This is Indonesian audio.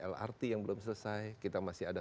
lrt yang belum selesai kita masih ada